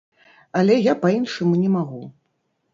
Але я па-іншаму не магу.